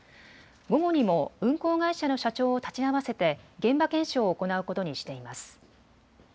午後にも運航会社の社長を立ち会わせて現場検証を行うことにしています。